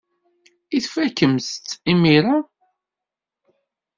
I tfakemt-t imir-a?